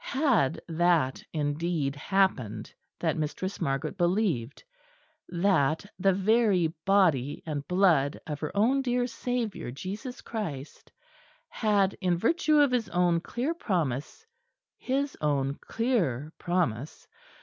Had that indeed happened that Mistress Margaret believed that the very Body and Blood of her own dear Saviour, Jesus Christ, had in virtue of His own clear promise His own clear promise!